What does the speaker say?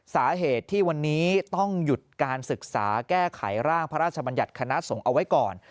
สาเหตุที่วันนี้ต้องหยุดการศึกษาแก้ไขร่างพระราชบัญญัติคณะสงฆ์เอาไว้ก่อน